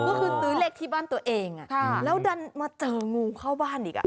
ก็คือซื้อเลขที่บ้านตัวเองแล้วดันมาเจองูเข้าบ้านอีก